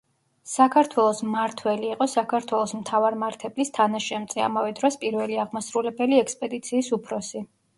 საქართველოს მმართველი იყო საქართველოს მთავარმართებლის თანაშემწე, ამავე დროს პირველი აღმასრულებელი ექსპედიციის უფროსი.